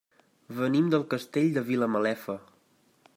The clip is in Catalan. Venim del Castell de Vilamalefa.